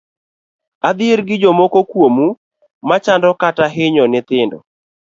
Adhier gi jomoko kuomu machando kata hinyo nyithindo.